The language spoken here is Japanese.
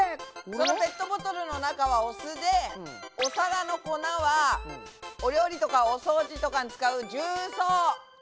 そのペットボトルの中はお酢でお皿の粉はお料理とかお掃除とかに使う重曹。